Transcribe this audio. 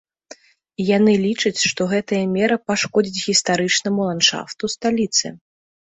Яны лічаць, што гэтая мера пашкодзіць гістарычнаму ландшафту сталіцы.